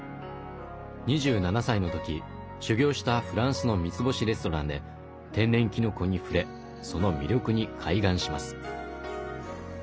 ２７歳の時修業したフランスの三つ星レストランで天然きのこに触れその魅力に開眼します。